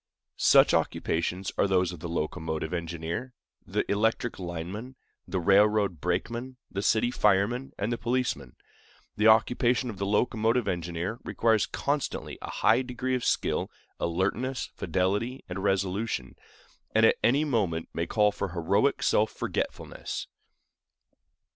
Such occupations are those of the locomotive engineer, the electric lineman, the railroad brakeman, the city fireman, and the policeman. The occupation of the locomotive engineer requires constantly a high degree of skill, alertness, fidelity, and resolution, and at any moment may call for heroic self forgetfulness.